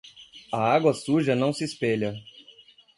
A água suja não se espelha.